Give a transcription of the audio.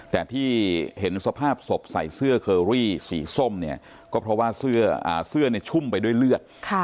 แต่ที่เห็นสภาพศพใส่เสื้อเคอรี่สีส้มเนี่ยก็เพราะว่าเสื้อชุ่มไปด้วยเลือด